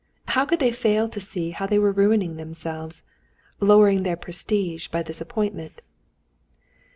How could they fail to see how they were ruining themselves, lowering their prestige by this appointment?